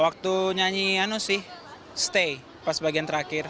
waktu nyanyi anu sih stay pas bagian terakhir